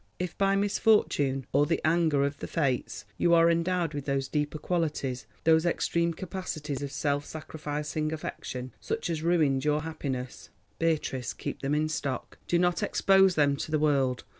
If by misfortune, or the anger of the Fates, you are endowed with those deeper qualities, those extreme capacities of self sacrificing affection, such as ruined your happiness, Beatrice, keep them in stock; do not expose them to the world.